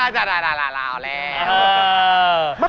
ครับนั่นแม่น